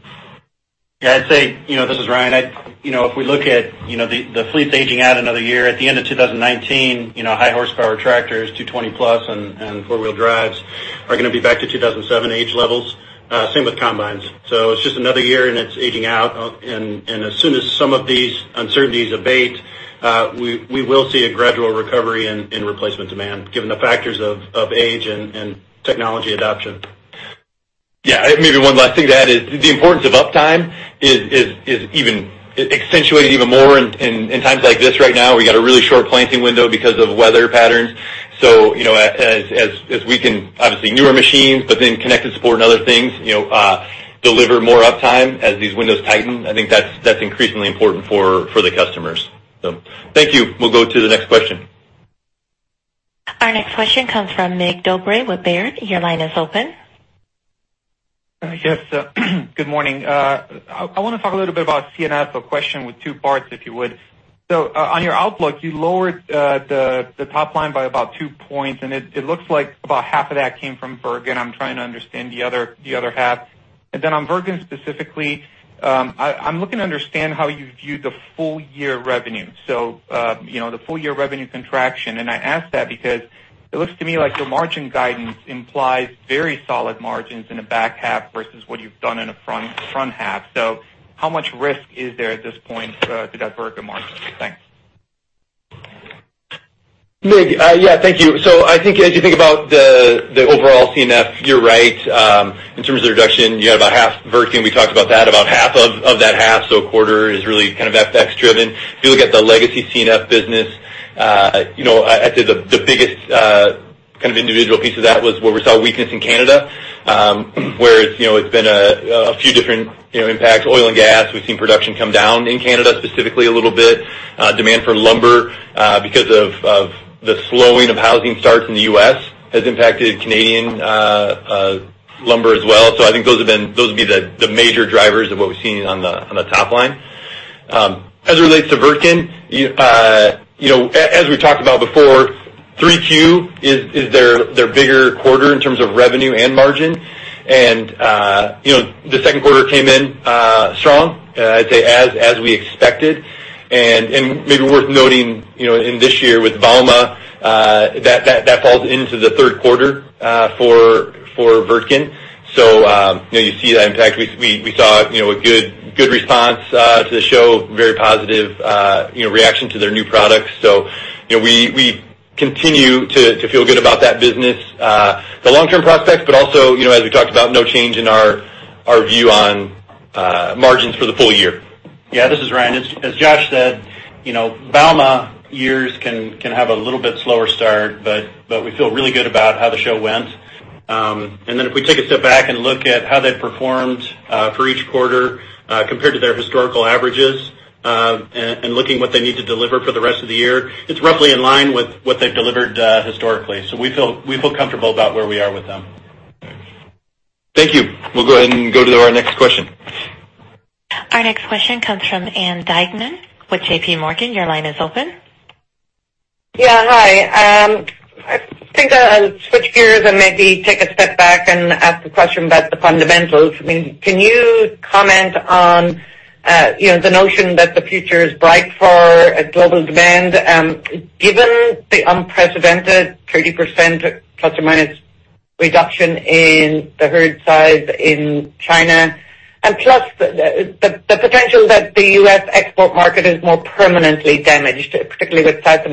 I'd say, this is Ryan, if we look at the fleet's aging out another year, at the end of 2019, high horsepower tractors, 220 plus and four-wheel drives are going to be back to 2007 age levels. Same with combines. It's just another year and it's aging out. As soon as some of these uncertainties abate, we will see a gradual recovery in replacement demand given the factors of age and technology adoption. Maybe one last thing to add is the importance of uptime is accentuated even more in times like this right now. We got a really short planting window because of weather patterns. As we can, obviously newer machines, Connected Support and other things deliver more uptime as these windows tighten. I think that's increasingly important for the customers. Thank you. We'll go to the next question. Our next question comes from Mig Dobre with Baird. Your line is open. Good morning. I want to talk a little bit about C&F, a question with two parts, if you would. On your outlook, you lowered the top line by about two points, and it looks like about half of that came from Wirtgen. I'm trying to understand the other half. On Wirtgen specifically, I'm looking to understand how you view the full year revenue. The full year revenue contraction. I ask that because it looks to me like your margin guidance implies very solid margins in the back half versus what you've done in the front half. How much risk is there at this point to that Wirtgen margin? Thanks. Mig, thank you. As you think about the overall C&F, you are right. In terms of the reduction, you had about half Wirtgen, we talked about that, about half of that half. A quarter is really kind of FX driven. If you look at the legacy C&F business, I would say the biggest kind of individual piece of that was where we saw weakness in Canada, where it has been a few different impacts. Oil and gas, we have seen production come down in Canada specifically a little bit. Demand for lumber because of the slowing of housing starts in the U.S. has impacted Canadian lumber as well. I think those would be the major drivers of what we have seen on the top line. As it relates to Wirtgen, as we talked about before, 3Q is their bigger quarter in terms of revenue and margin. The second quarter came in strong, I would say as we expected. Maybe worth noting, in this year with bauma, that falls into the third quarter for Wirtgen. You see that impact. We saw a good response to the show, very positive reaction to their new products. We continue to feel good about that business, the long-term prospects, but also, as we talked about, no change in our view on margins for the full year. This is Ryan. As Josh said, bauma years can have a little bit slower start, but we feel really good about how the show went. If we take a step back and look at how they have performed for each quarter compared to their historical averages, and looking what they need to deliver for the rest of the year, it is roughly in line with what they have delivered historically. We feel comfortable about where we are with them. Thank you. We will go ahead and go to our next question. Our next question comes from Ann Duignan with J.P. Morgan. Your line is open. Yeah, hi. I think I'll switch gears and maybe take a step back and ask a question about the fundamentals. Can you comment on the notion that the future is bright for global demand, given the unprecedented 30% ± reduction in the herd size in China? Plus, the potential that the U.S. export market is more permanently damaged, particularly with South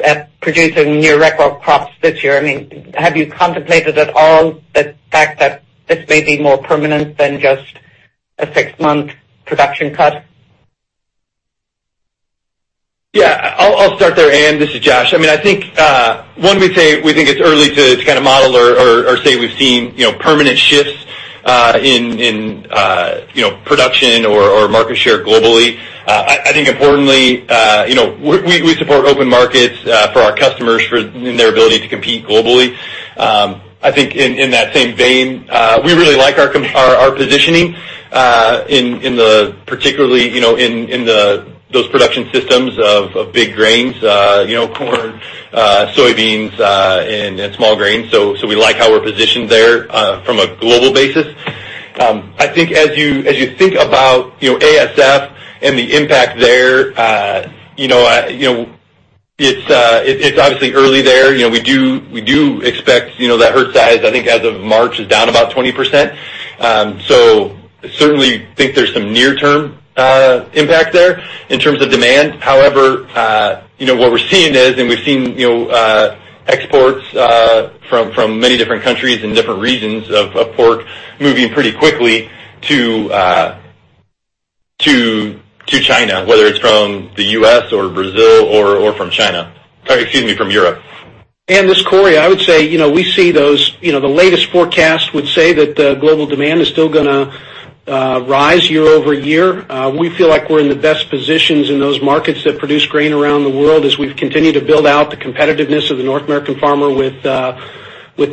America producing near record crops this year. Have you contemplated at all the fact that this may be more permanent than just a six-month production cut? Yeah, I'll start there, Ann. This is Josh. One, we think it's early to kind of model or say we've seen permanent shifts in production or market share globally. Importantly, we support open markets for our customers in their ability to compete globally. In that same vein, we really like our positioning particularly in those production systems of big grains, corn, soybeans, and small grains. We like how we're positioned there from a global basis. As you think about ASF and the impact there, it's obviously early there. We do expect that herd size, I think as of March, is down about 20%. Certainly think there's some near-term impact there in terms of demand. However, what we're seeing is, and we've seen exports from many different countries and different regions of pork moving pretty quickly to China, whether it's from the U.S. or Brazil or from China, excuse me, from Europe. Ann, this is Cory. I would say, the latest forecast would say that global demand is still going to rise year-over-year. We feel like we're in the best positions in those markets that produce grain around the world as we've continued to build out the competitiveness of the North American farmer with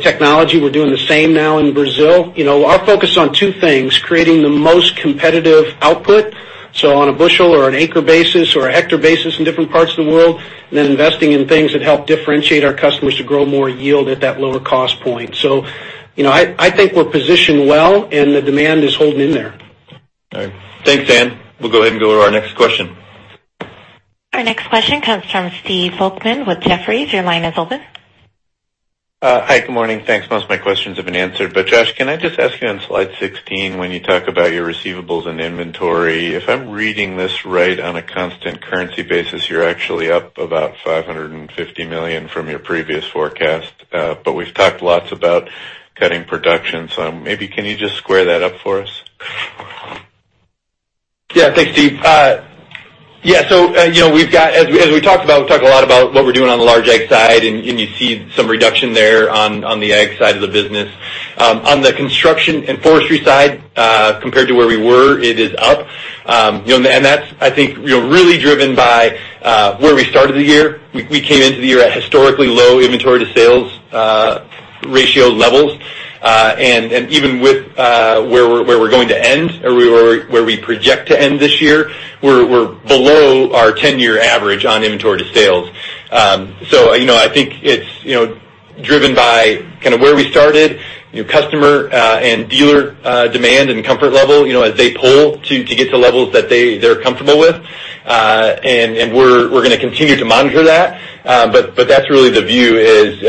technology. We're doing the same now in Brazil. Our focus on two things, creating the most competitive output, so on a bushel or an acre basis or a hectare basis in different parts of the world, and then investing in things that help differentiate our customers to grow more yield at that lower cost point. I think we're positioned well and the demand is holding in there. All right. Thanks, Ann. We'll go ahead and go to our next question. Our next question comes from Stephen Volkmann with Jefferies. Your line is open. Hi, good morning. Thanks. Most of my questions have been answered. Josh, can I just ask you on slide 16, when you talk about your receivables and inventory, if I'm reading this right on a constant currency basis, you're actually up about $550 million from your previous forecast. We've talked lots about cutting production. Maybe can you just square that up for us? Thanks, Steve. As we talked about, we talked a lot about what we're doing on the large ag side, and you see some reduction there on the ag side of the business. On the Construction and Forestry side, compared to where we were, it is up. That's, I think, really driven by where we started the year. We came into the year at historically low inventory to sales ratio levels. Even with where we're going to end or where we project to end this year, we're below our 10-year average on inventory to sales. I think it's driven by kind of where we started, customer and dealer demand and comfort level, as they pull to get to levels that they're comfortable with. We're going to continue to monitor that. That's really the view is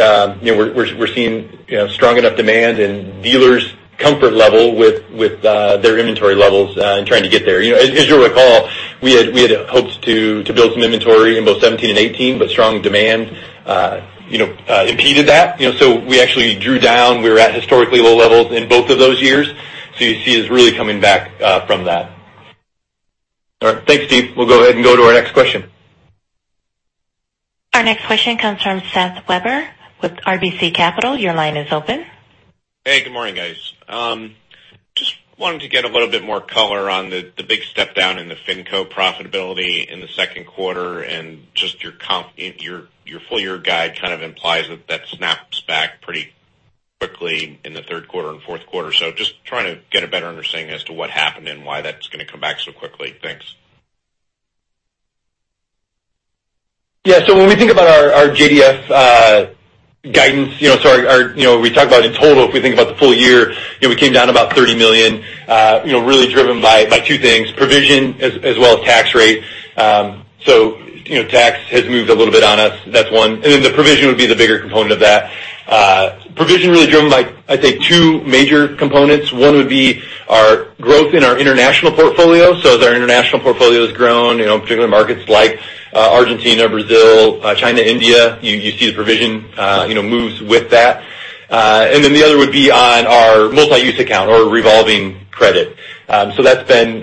we're seeing strong enough demand and dealers' comfort level with their inventory levels and trying to get there. As you'll recall, we had hoped to build some inventory in both 2017 and 2018, but strong demand impeded that. We actually drew down. We were at historically low levels in both of those years. You see us really coming back from that. All right, thanks, Steve. We'll go ahead and go to our next question. Our next question comes from Seth Weber with RBC Capital. Your line is open. Hey, good morning, guys. Just wanted to get a little bit more color on the big step down in the fin co profitability in the second quarter and just your full-year guide kind of implies that that snaps back pretty quickly in the third quarter and fourth quarter. Just trying to get a better understanding as to what happened and why that's going to come back so quickly. Thanks. When we think about our JDF guidance, we talk about in total, if we think about the full year, we came down about $30 million, really driven by two things, provision as well as tax rate. Tax has moved a little bit on us. That's one. The provision would be the bigger component of that. Provision really driven by, I'd say, two major components. One would be our growth in our international portfolio. As our international portfolio has grown, particular markets like Argentina, Brazil, China, India, you see the provision moves with that. The other would be on our multi-use account or revolving credit. That's been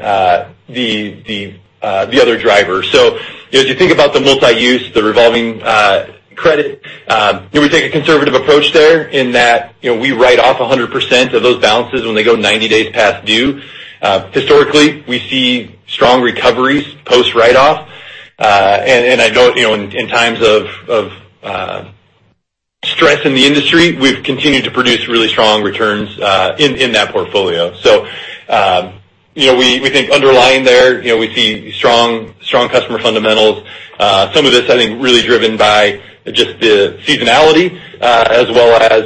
the other driver. As you think about the multi-use, the revolving credit we take a conservative approach there in that we write off 100% of those balances when they go 90 days past due. Historically, we see strong recoveries post write-off. I know in times of stress in the industry, we've continued to produce really strong returns in that portfolio. We think underlying there, we see strong customer fundamentals. Some of this, I think, really driven by just the seasonality, as well as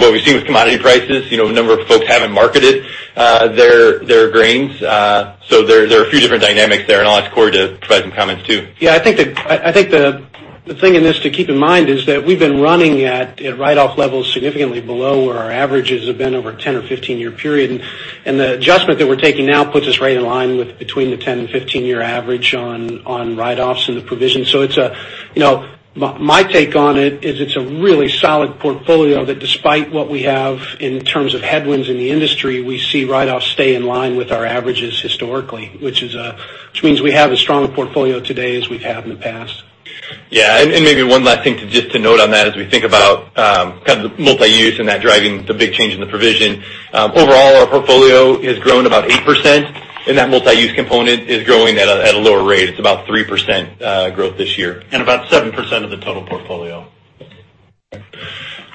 what we've seen with commodity prices. A number of folks haven't marketed their grains. There are a few different dynamics there, and I'll ask Cory to provide some comments, too. I think the thing in this to keep in mind is that we've been running at write-off levels significantly below where our averages have been over a 10 or 15-year period. The adjustment that we're taking now puts us right in line with between the 10 and 15-year average on write-offs and the provision. My take on it is it's a really solid portfolio that despite what we have in terms of headwinds in the industry, we see write-offs stay in line with our averages historically, which means we have as strong a portfolio today as we've had in the past. Maybe one last thing just to note on that as we think about kind of multi-use and that driving the big change in the provision. Overall, our portfolio has grown about 8%, and that multi-use component is growing at a lower rate. It's about 3% growth this year. About 7% of the total portfolio.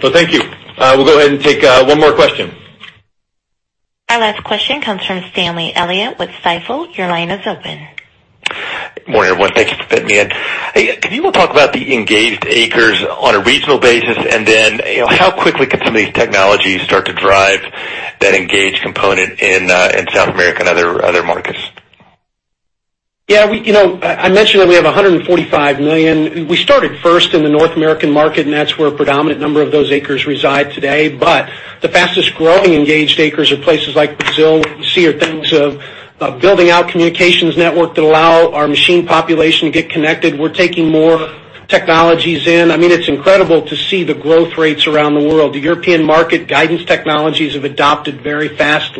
Thank you. We'll go ahead and take one more question. Our last question comes from Stanley Elliott with Stifel. Your line is open. Morning, everyone. Thank you for fitting me in. Hey, can you all talk about the engaged acres on a regional basis, and then how quickly can some of these technologies start to drive that engaged component in South America and other markets? Yeah. I mentioned that we have 145 million. We started first in the North American market, and that's where a predominant number of those acres reside today. The fastest growing engaged acres are places like Brazil. What you see are things of building out communications network that allow our machine population to get connected. We're taking more technologies in. It's incredible to see the growth rates around the world. The European market guidance technologies have adopted very fast,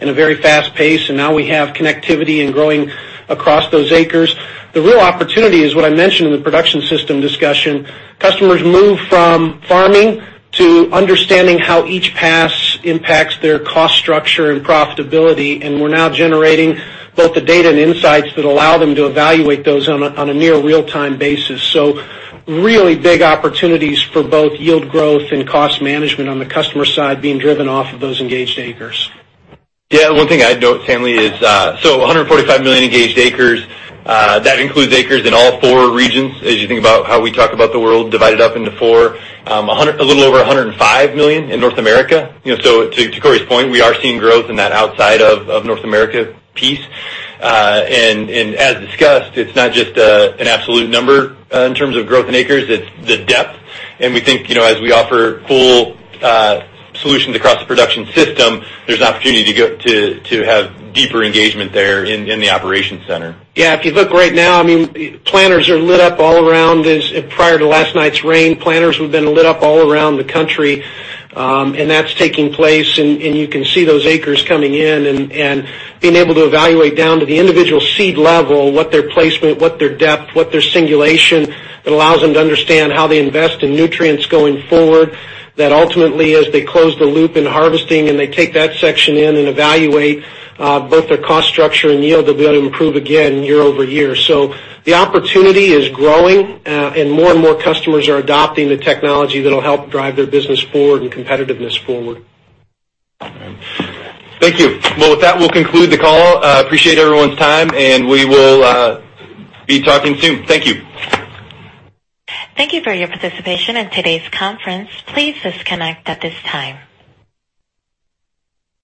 in a very fast pace, and now we have connectivity and growing across those acres. The real opportunity is what I mentioned in the production system discussion. Customers move from farming to understanding how each pass impacts their cost structure and profitability, and we're now generating both the data and insights that allow them to evaluate those on a near real-time basis. Really big opportunities for both yield growth and cost management on the customer side being driven off of those engaged acres. Yeah. One thing I'd note, Stanley, is so 145 million engaged acres, that includes acres in all four regions as you think about how we talk about the world divided up into four. A little over 105 million in North America. To Cory's point, we are seeing growth in that outside of North America piece. As discussed, it's not just an absolute number in terms of growth in acres, it's the depth. We think as we offer full solutions across the production system, there's an opportunity to have deeper engagement there in the Operations Center. Yeah. If you look right now, planters are lit up all around. Prior to last night's rain, planters have been lit up all around the country, and that's taking place, and you can see those acres coming in and being able to evaluate down to the individual seed level what their placement, what their depth, what their singulation. It allows them to understand how they invest in nutrients going forward. That ultimately, as they close the loop in harvesting and they take that section in and evaluate both their cost structure and yield, they'll be able to improve again year-over-year. The opportunity is growing, and more and more customers are adopting the technology that'll help drive their business forward and competitiveness forward. Thank you. Well, with that, we'll conclude the call. Appreciate everyone's time, and we will be talking soon. Thank you. Thank you for your participation in today's conference. Please disconnect at this time.